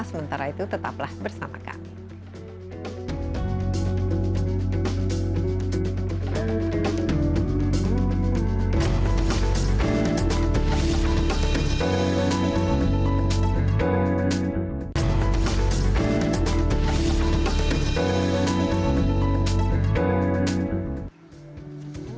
sementara itu tetaplah bersama kami